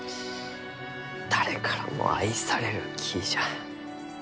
誰からも愛される木じゃ。